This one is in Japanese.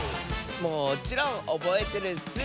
もちろんおぼえてるッス！